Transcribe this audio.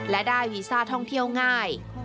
และได้วีซ่าท่องเที่ยวง่าย